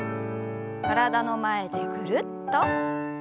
体の前でぐるっと。